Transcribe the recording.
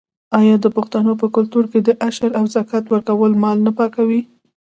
آیا د پښتنو په کلتور کې د عشر او زکات ورکول مال نه پاکوي؟